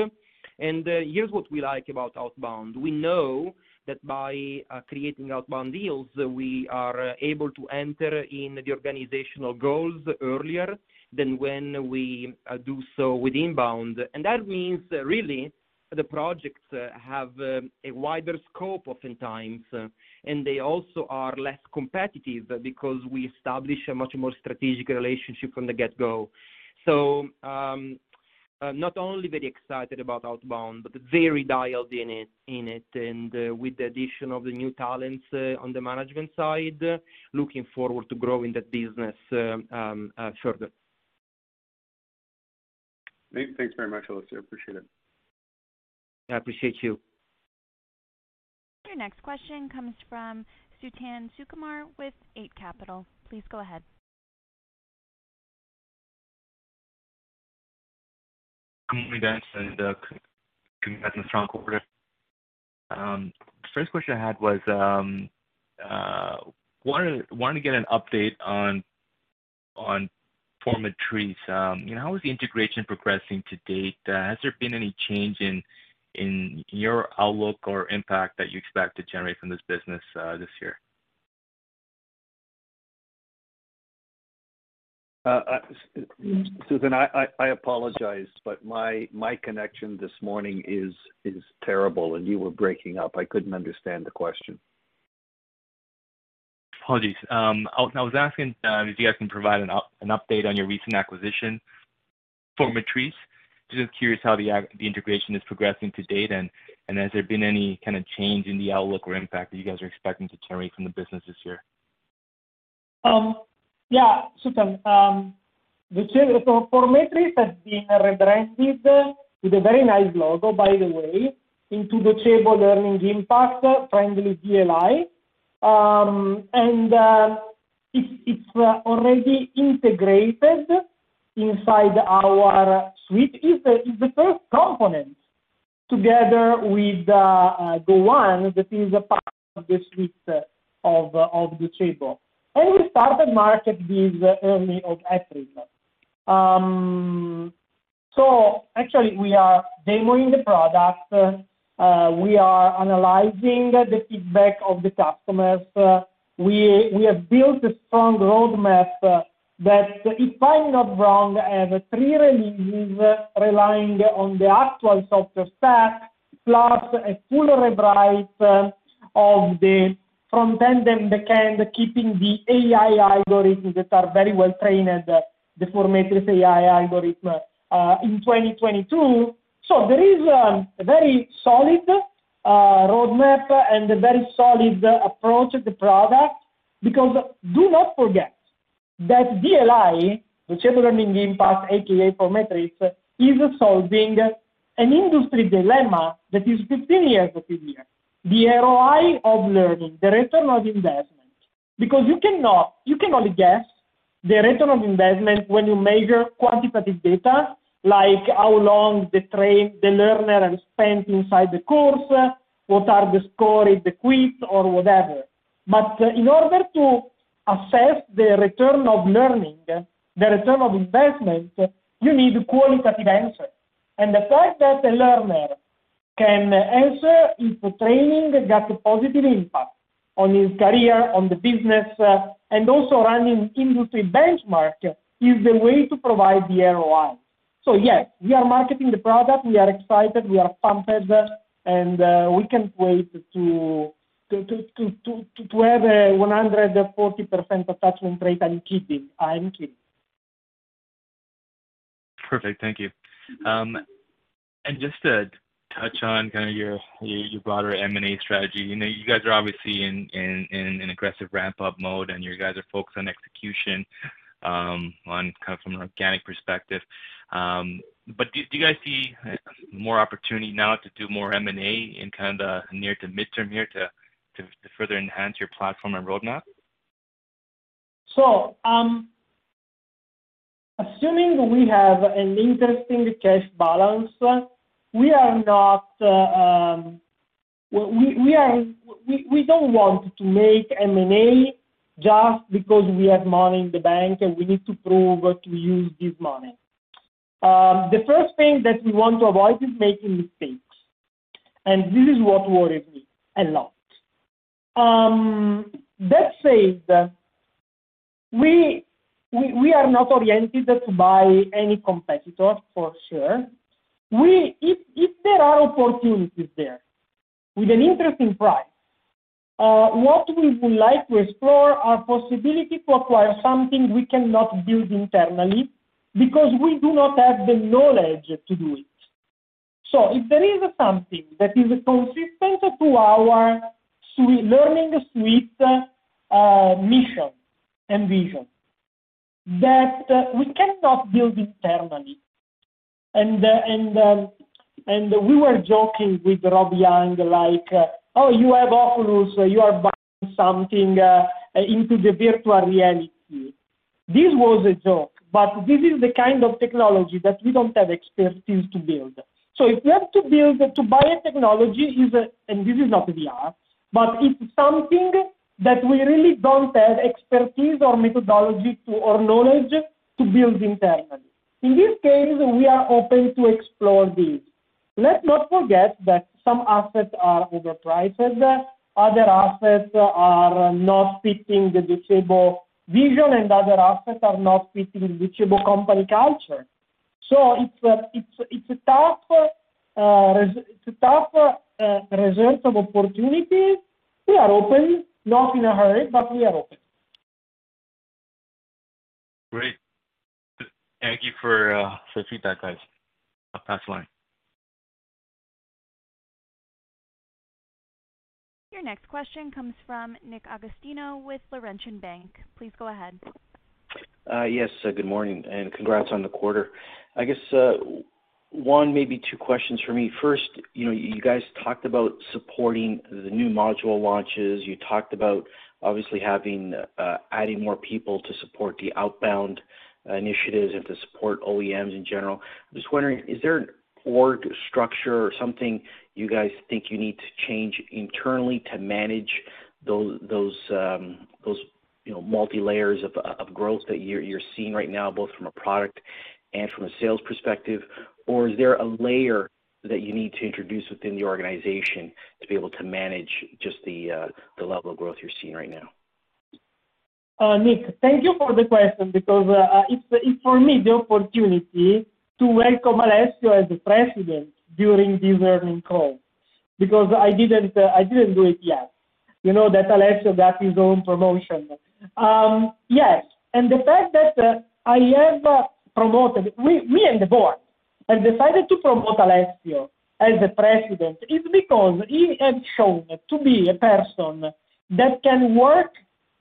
Here's what we like about outbound. We know that by creating outbound deals, we are able to enter in the organizational goals earlier than when we do so with inbound. That means really, the projects have a wider scope oftentimes, and they also are less competitive because we establish a much more strategic relationship from the get-go. Not only very excited about outbound, but very dialed in it. With the addition of the new talents on the management side, looking forward to growing that business further. Great. Thanks very much, Alessio. Appreciate it. I appreciate you. Your next question comes from Suthan Sukumar with Eight Capital. Please go ahead. Good morning, guys. Congrats on a strong quarter. First question I had was, I wanted to get an update on forMetris. How is the integration progressing to date? Has there been any change in your outlook or impact that you expect to generate from this business this year? Suthan, I apologize, but my connection this morning is terrible, and you were breaking up. I couldn't understand the question. Apologies. I was asking if you guys can provide an update on your recent acquisition, forMetris. Just curious how the integration is progressing to date, and has there been any kind of change in the outlook or impact that you guys are expecting to generate from the business this year? Yeah, Suthan. forMetris has been rebranded with a very nice logo, by the way, into Docebo Learning Impact, friendly DLI. It's already integrated inside our suite. It's the first component together with the one that is a part of the suite of Docebo. We started market this early of April. Actually, we are demoing the product. We are analyzing the feedback of the customers. We have built a strong roadmap that, if I'm not wrong, have three releases relying on the actual software stack, plus a full rewrite of the front-end and backend, keeping the AI algorithms that are very well-trained, the forMetris AI algorithm, in 2022. There is a very solid roadmap and a very solid approach to the product. Do not forget that DLI, Docebo Learning Impact, AKA forMetris, is solving an industry dilemma that is 15 years old. The ROI of learning, the return of investment. You can only guess the return of investment when you measure quantitative data, like how long the learner has spent inside the course, what are the score in the quiz or whatever. In order to assess the return of learning, the return of investment, you need qualitative answers. The fact that the learner can answer if training got a positive impact on his career, on the business, and also running industry benchmark is the way to provide the ROI. So yes, we are marketing the product. We are excited, we are pumped, and we can't wait to have a 140% attachment rate in Q2. Perfect. Thank you. Just to touch on kind of your broader M&A strategy. You guys are obviously in an aggressive ramp-up mode, and you guys are focused on execution from an organic perspective. Do you guys see more opportunity now to do more M&A in the near to midterm here to further enhance your platform and roadmap? Assuming we have an interesting cash balance, we don't want to make M&A just because we have money in the bank and we need to prove to use this money. The first thing that we want to avoid is making mistakes, and this is what worries me a lot. That said, we are not oriented to buy any competitor, for sure. If there are opportunities there with an interesting price, what we would like to explore are possibility to acquire something we cannot build internally because we do not have the knowledge to do it. If there is something that is consistent to our Learning Suite mission and vision that we cannot build internally, and we were joking with Robert Young like, "Oh, you have Oculus, you are buying something into the virtual reality." This was a joke, this is the kind of technology that we don't have expertise to build. If we have to build, to buy a technology, and this is not VR, but it's something that we really don't have expertise or methodology or knowledge to build internally. In this case, we are open to explore this. Let's not forget that some assets are overpriced, other assets are not fitting the Docebo vision, and other assets are not fitting the Docebo company culture. It's a tough research of opportunity. We are open, not in a hurry, but we are open. Great. Thank you for the feedback, guys. I'll pass the line. Your next question comes from Nick Agostino with Laurentian Bank. Please go ahead. Good morning, and congrats on the quarter. I guess one, maybe two questions from me. First, you guys talked about supporting the new module launches. You talked about obviously adding more people to support the outbound initiatives and to support OEMs in general. I'm just wondering, is there an org structure or something you guys think you need to change internally to manage those multi-layers of growth that you're seeing right now, both from a product and from a sales perspective? Is there a layer that you need to introduce within the organization to be able to manage just the level of growth you're seeing right now? Nick, thank you for the question because it's for me the opportunity to welcome Alessio as the President during this earnings call, because I didn't do it yet. You know that Alessio got his own promotion. Yes. The fact that I have promoted, me and the Board, have decided to promote Alessio as the President is because he has shown to be a person that can work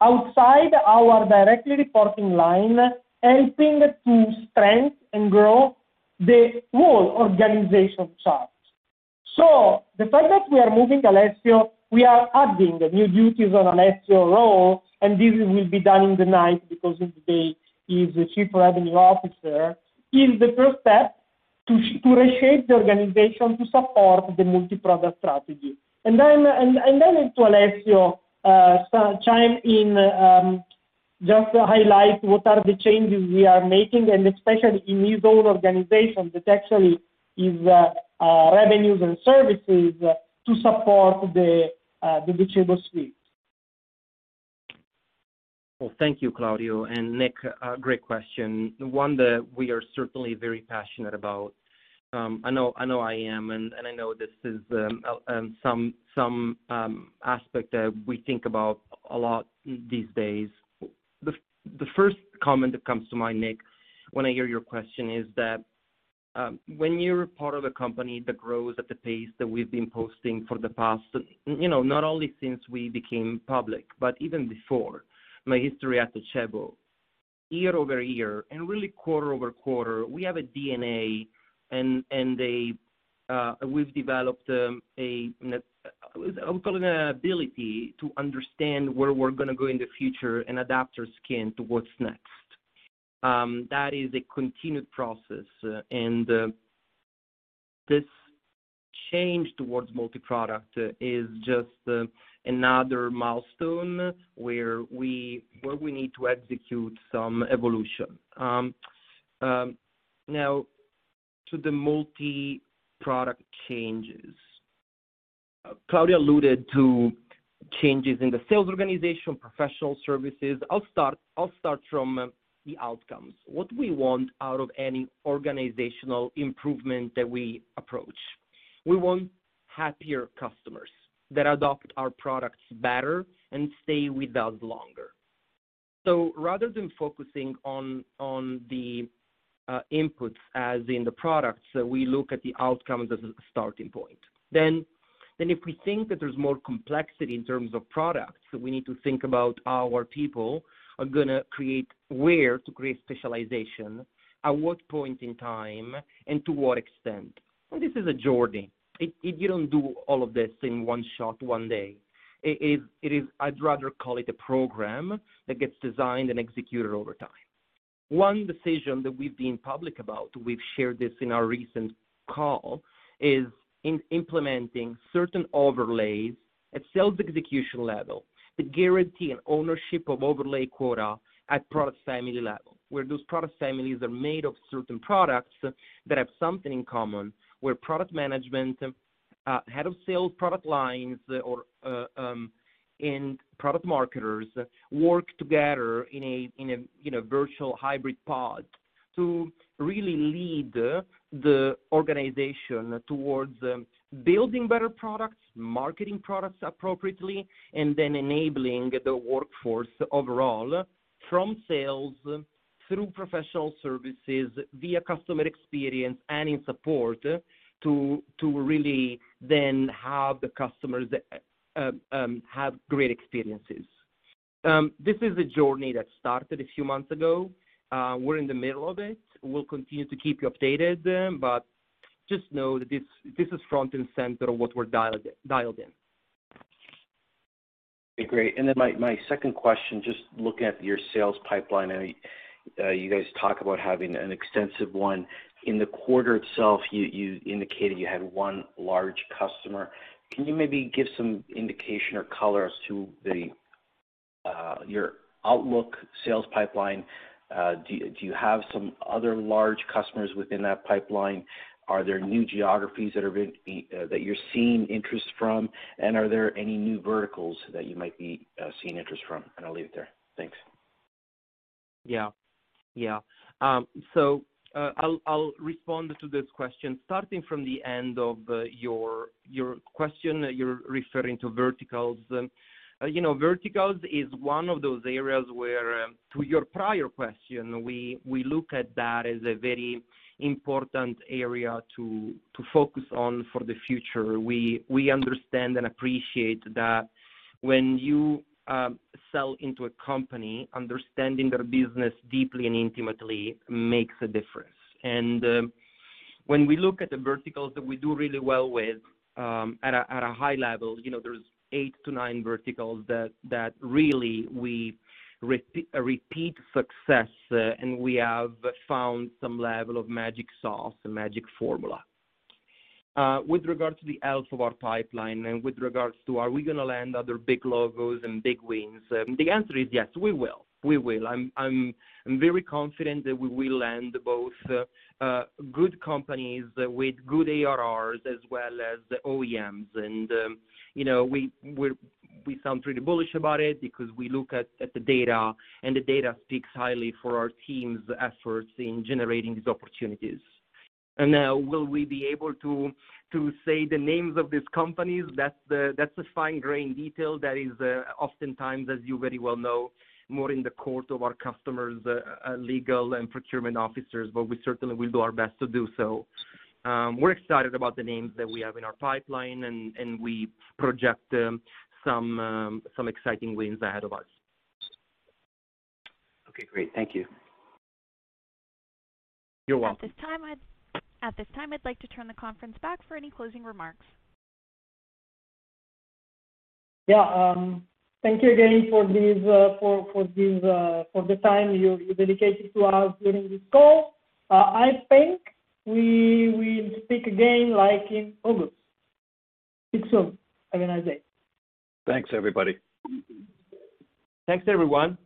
outside our directly reporting line, helping to strengthen and grow the whole organization chart. The fact that we are moving Alessio, we are adding new duties on Alessio role, this will be done in the night because in the day he is the Chief Revenue Officer, is the first step to reshape the organization to support the multi-product strategy. I let Alessio chime in just to highlight what are the changes we are making, and especially in his old organization that actually is revenues and services to support the Docebo suite. Well, thank you, Claudio. Nick, great question, one that we are certainly very passionate about. I know I am, and I know this is some aspect that we think about a lot these days. The first comment that comes to mind, Nick, when I hear your question is that when you're part of a company that grows at the pace that we've been posting for the past, not only since we became public, but even before, my history at Docebo, year-over-year and really quarter-over-quarter, we have a DNA and we've developed, I'll call it an ability to understand where we're going to go in the future and adapt our skin to what's next. That is a continued process, and this change towards multi-product is just another milestone where we need to execute some evolution. Now to the multi-product changes Claudio alluded to changes in the sales organization, professional services. I'll start from the outcomes. What we want out of any organizational improvement that we approach. We want happier customers that adopt our products better and stay with us longer. Rather than focusing on the inputs, as in the products, we look at the outcomes as a starting point. If we think that there's more complexity in terms of products, we need to think about our people are going to create, where to create specialization, at what point in time, and to what extent. This is a journey. You don't do all of this in one shot, one day. I'd rather call it a program that gets designed and executed over time. One decision that we've been public about, we've shared this in our recent call, is in implementing certain overlays at sales execution level to guarantee an ownership of overlay quota at product family level, where those product families are made of certain products that have something in common, where product management, head of sales product lines, or end product marketers work together in a virtual hybrid pod to really lead the organization towards building better products, marketing products appropriately, and then enabling the workforce overall from sales through professional services, via customer experience and in support, to really then have the customers have great experiences. This is a journey that started a few months ago. We're in the middle of it. We'll continue to keep you updated, but just know that this is front and center of what we're dialed in. Okay, great. Then my second question, just looking at your sales pipeline, you guys talk about having an extensive one. In the quarter itself, you indicated you had one large customer. Can you maybe give some indication or color as to your outlook sales pipeline? Do you have some other large customers within that pipeline? Are there new geographies that you're seeing interest from? Are there any new verticals that you might be seeing interest from? I'll leave it there. Thanks. Yeah. I'll respond to this question starting from the end of your question. You're referring to verticals. Verticals is one of those areas where, to your prior question, we look at that as a very important area to focus on for the future. We understand and appreciate that when you sell into a company, understanding their business deeply and intimately makes a difference. When we look at the verticals that we do really well with, at a high level, there's eight to nine verticals that really a repeat success, and we have found some level of magic sauce, a magic formula. With regard to the health of our pipeline and with regards to are we going to land other big logos and big wins, the answer is yes, we will. We will. I'm very confident that we will land both good companies with good ARRs as well as OEMs. We sound pretty bullish about it because we look at the data, and the data speaks highly for our team's efforts in generating these opportunities. Now, will we be able to say the names of these companies? That's a fine-grain detail that is oftentimes, as you very well know, more in the court of our customers' legal and procurement officers, but we certainly will do our best to do so. We're excited about the names that we have in our pipeline, and we project some exciting wins ahead of us. Okay, great. Thank you. You're welcome. At this time, I'd like to turn the conference back for any closing remarks. Yeah. Thank you again for the time you dedicated to us during this call. I think we will speak again, like in August. Speak soon. Have a nice day. Thanks, everybody. Thanks, everyone.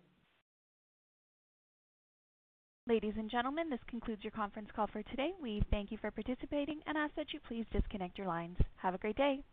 Ladies and gentlemen, this concludes your conference call for today. We thank you for participating and ask that you please disconnect your lines. Have a great day.